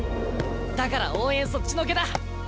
だから応援そっちのけだ！